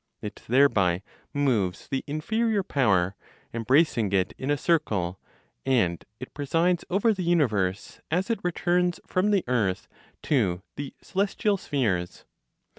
It thereby moves the inferior power, embracing it in a circle; and it presides over the universe as it returns (from the earth) to the celestial spheres.